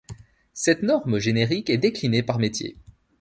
Cette norme générique est déclinée par métier.